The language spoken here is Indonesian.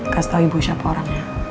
kasih tahu ibu siapa orangnya